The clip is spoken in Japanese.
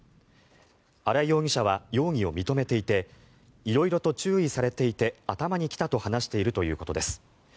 新井容疑者は容疑を認めていて色々と注意されていて頭にきたと話しているということです。